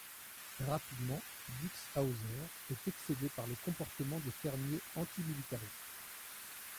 Rapidement, Dix Hauser est excédé par le comportement des fermiers antimilitaristes.